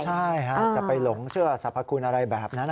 ใช่ค่ะจะไปหลงเชื่อศัพท์ภาคุณอะไรแบบนั้น